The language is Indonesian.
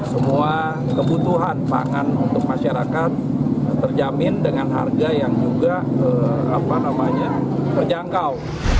semua kebutuhan pangan untuk masyarakat terjamin dengan harga yang juga terjangkau